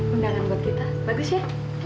mudah mudahan buat kita bagus ya